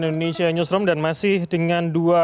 indonesia newsroom dan masih dengan dua